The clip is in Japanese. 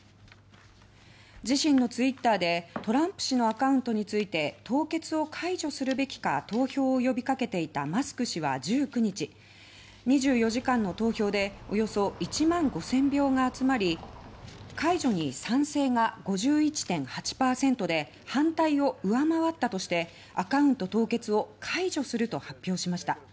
自身のツイッターでトランプ氏のアカウントについて凍結を解除するべきか投票を呼び掛けていたマスク氏は１９日、２４時間の投票でおよそ１万５０００票が集まり解除に賛成が５１．８％で反対を上回ったとしてアカウント凍結を解除すると発表しました。